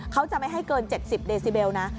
เขาจะไม่ให้เกิน๗๐เดซิเบลนะ